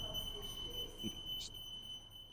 びりびりしてる